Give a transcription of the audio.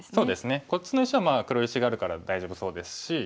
こっちの石は黒石があるから大丈夫そうですし。